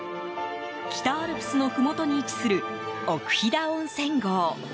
北アルプスのふもとに位置する奥飛騨温泉郷。